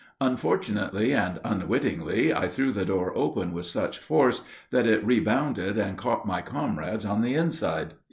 Unfortunately and unwittingly I threw the door open with such force that it rebounded and caught my comrades on the inside.